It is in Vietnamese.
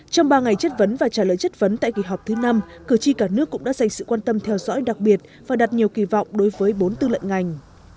trong ba ngày chất vấn và trả lời chất vấn tại kỳ họp thứ năm cử tri cả nước cũng đã dành sự quan tâm theo dõi đặc biệt và đặt nhiều kỳ vọng đối với bốn tư lận ngành